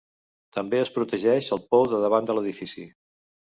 També es protegeix el pou de davant de l'edifici.